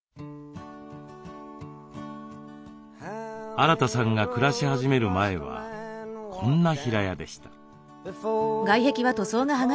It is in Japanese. アラタさんが暮らし始める前はこんな平屋でした。